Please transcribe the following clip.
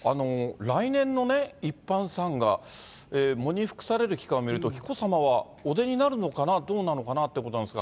来年の一般参賀、喪に服される期間を見ると、紀子さまはお出になるのかな、どうなのかなということなんですが。